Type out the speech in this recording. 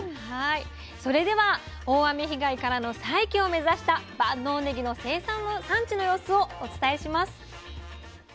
それでは大雨被害からの再起を目指した万能ねぎの生産産地の様子をお伝えします。